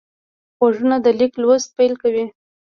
غوږونه د لیک لوست پیل کوي